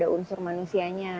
karena ada unsur manusianya